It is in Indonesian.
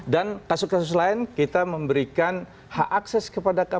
dan kasus kasus lain kita memberikan hak akses ke mereka